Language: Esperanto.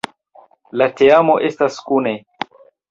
La teamo estas kune.